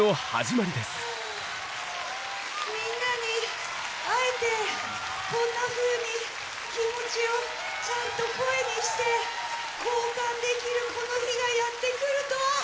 みんなに会えてこんなふうに気持ちをちゃんと声にして交換できるこの日がやって来るとは！